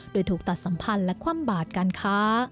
โดยถูกตัดสัมพันธ์และคว่ำบาดการค้า